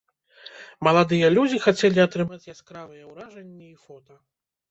Маладыя людзі хацелі атрымаць яскравыя ўражанні і фота.